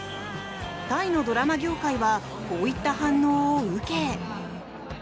タイのドラマ業界はこういった反応を受け。